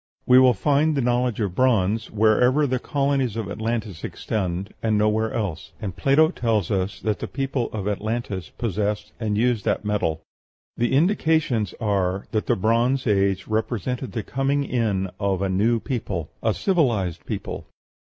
We will find the knowledge of bronze wherever the colonies of Atlantis extended, and nowhere else; and Plato tells us that the people of Atlantis possessed and used that metal. The indications are that the Bronze Age represents the coming in of a new people a civilized people.